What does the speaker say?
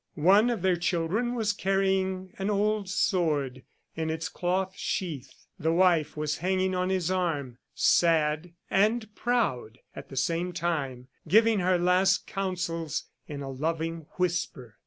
One of their children was carrying the old sword in its cloth sheath. The wife was hanging on his arm, sad and proud at the same time, giving her last counsels in a loving whisper.